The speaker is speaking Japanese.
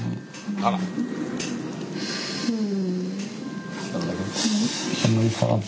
あらうん。